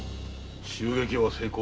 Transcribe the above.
襲撃は成功。